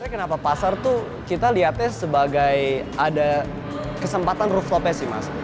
kenapa pasar tuh kita lihatnya sebagai ada kesempatan roof lopa sih mas